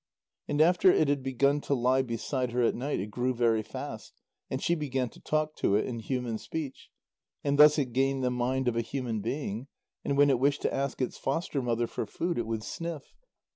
And after it had begun to lie beside her at night it grew very fast, and she began to talk to it in human speech, and thus it gained the mind of a human being, and when it wished to ask its foster mother for food, it would sniff.